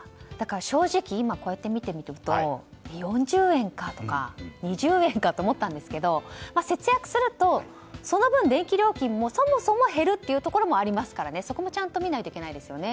正直今、こうやって見てみると４０円かとか２０円かって思ったんですけど、節約するとその分、電気料金もそもそも減るというところもありますからそこもちゃんと見ないといけないですよね。